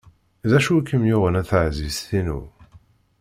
D acu i kem-yuɣen a taɛzizt-inu?